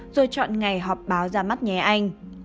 rồi chọn ngày họp báo ra mắt nhé anh